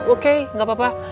oke gak apa apa